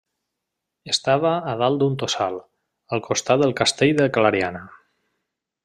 Estava a dalt d'un tossal, al costat del Castell de Clariana.